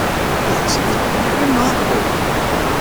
He had something quite remarkable.